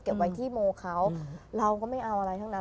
ไว้ที่โมเขาเราก็ไม่เอาอะไรทั้งนั้น